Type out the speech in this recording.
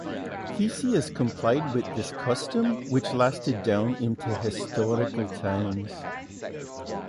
Theseus complied with this custom, which lasted down into historical times.